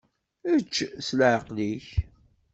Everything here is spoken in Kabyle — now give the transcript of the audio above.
Ečč s leεqel-ik.